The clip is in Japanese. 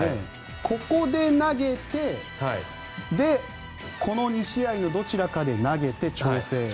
ここで投げてで、この２試合のどちらかで投げて調整。